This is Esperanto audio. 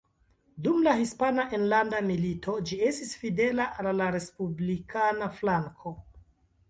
Dum la Hispana Enlanda Milito ĝi estis fidela al la respublikana flanko.